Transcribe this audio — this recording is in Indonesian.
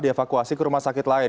dievakuasi ke rumah sakit lain